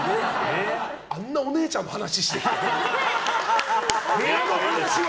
あんなお姉ちゃんの話してたのに？